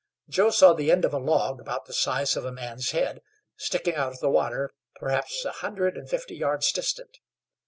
Joe saw the end of a log, about the size of a man's head, sticking out of the water, perhaps an hundred and fifty yards distant.